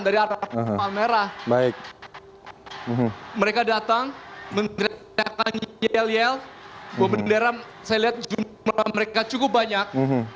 dari arah pulau palmera baik mereka datang mendirikan yel yel bumbu bendera saya lihat jumlah mereka cukup banyak